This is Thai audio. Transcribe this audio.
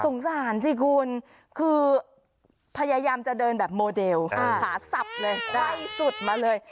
สารสิคุณคือพยายามจะเดินแบบโมเดลขาสับเลยใกล้สุดมาเลย